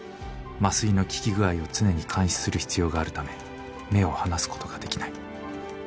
麻酔の効き具合を常に監視する必要があるため目を離すことができない。